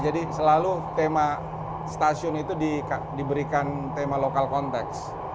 jadi selalu tema stasiun itu diberikan tema lokal konteks